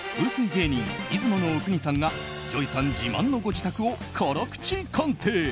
芸人・出雲阿国さんがＪＯＹさん自慢のお宅を辛口鑑定。